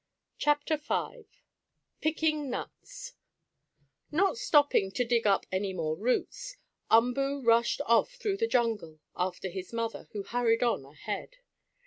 CHAPTER V PICKING NUTS Not stopping to dig up any more roots, Umboo rushed off through the jungle after his mother, who hurried on ahead.